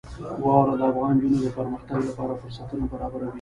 واوره د افغان نجونو د پرمختګ لپاره فرصتونه برابروي.